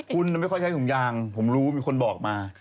คุณไม่ค่อยใช้ถุงยางผมรู้มีคนบอกมา